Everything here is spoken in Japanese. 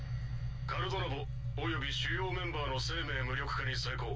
カルド・ラボおよび主要メンバーの生命無力化に成功。